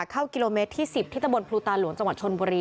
เข้ากิโลเมตรที่๑๐ที่ตะบนภูตาหลวงจังหวัดชนบุรี